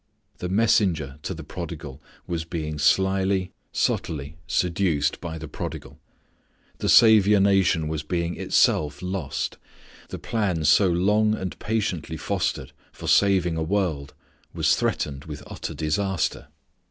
The messenger to the prodigal was being slyly, subtly seduced by the prodigal. The saviour nation was being itself lost. The plan so long and patiently fostered for saving a world was threatened with utter disaster.